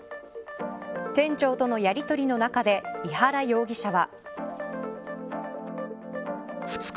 店長とのやりとりの中で井原容疑者は。